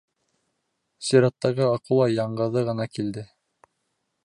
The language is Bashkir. Сираттағы акула яңғыҙы ғына килде.